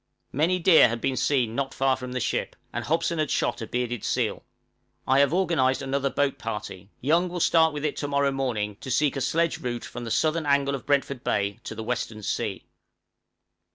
Many deer had been seen not far from the ship, and Hobson had shot a bearded seal. I have organized another boat party; Young will start with it to morrow morning to seek a sledge route from the southern angle of Brentford Bay to the western sea.